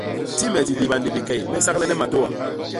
Ti me diliba ni bikey me saglene matôa.